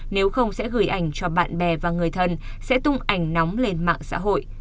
nếu không sẽ gửi ảnh cho bạn bè và người thân sẽ tung ảnh nóng lên mạng xã hội